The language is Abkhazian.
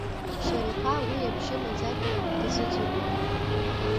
Шьарифа уи абжьы маӡашәа дазыӡырҩуан.